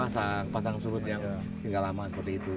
supaya tidak masuk dari air pasang pasang surut yang tinggal lama seperti itu